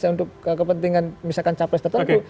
dan untuk kepentingan misalkan capres tertentu